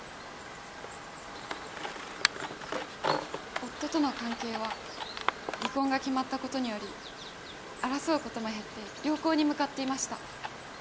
夫との関係は離婚が決まったことにより争うことも減って良好に向かっていました。